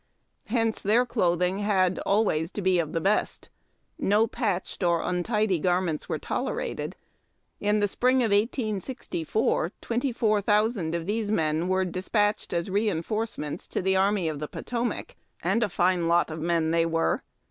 Hence their clothing had always to be of the best. No patched or untidy garments were tolerated. In tlie spring of 1864, twenty four thousand of these men were despatched as re enforcements to the Army of the Potomac, and a fine lot of men they were.